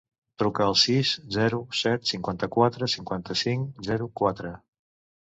Truca al sis, zero, set, cinquanta-quatre, cinquanta-cinc, zero, quatre.